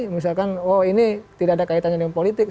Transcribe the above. misalkan oh ini tidak ada kaitannya dengan politik